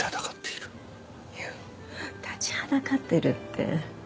「立ちはだかっている」って。